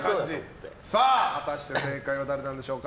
果たして正解は誰なんでしょうか。